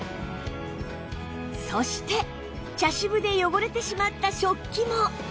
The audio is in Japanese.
そして茶渋で汚れてしまった食器も